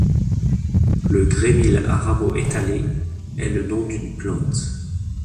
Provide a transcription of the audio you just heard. Le grémil à rameaux étalés est le nom d'une plante.